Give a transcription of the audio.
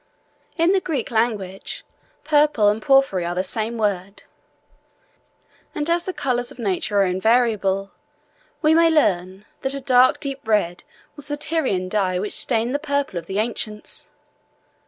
In the Greek language, purple and porphyry are the same word: and as the colors of nature are invariable, we may learn, that a dark deep red was the Tyrian dye which stained the purple of the ancients.